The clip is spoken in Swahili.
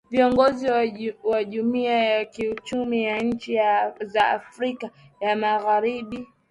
viongozi wa Jumuia ya kiuchumi ya nchi za Afrika ya magharibi